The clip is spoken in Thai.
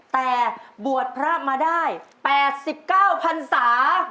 แต่บวชพระมาได้๘๙พันธุ์ศาสตร์